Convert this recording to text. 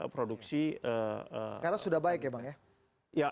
produksi karena sudah baik ya bang ya